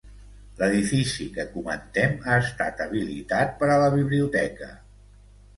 L'edifici que comentem ha estat habilitat per a la biblioteca.